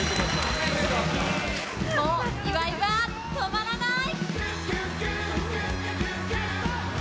もう、岩井は止まらない！